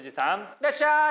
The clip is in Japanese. いらっしゃい！